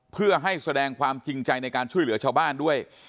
เพื่อให้แสดงความจริงใจในการช่วยเหลือชาวบ้านด้วย